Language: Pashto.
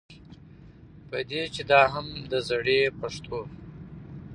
په دې چې دا هم د زړې پښتو